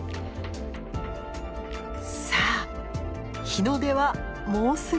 さあ日の出はもうすぐです。